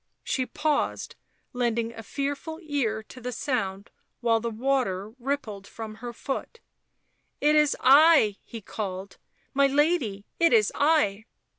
She paused, lending a fearful ear to the sound while the water rippled from her foot. " It is I," he called. " My lady, it is I."